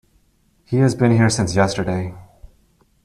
He has been here since yesterday.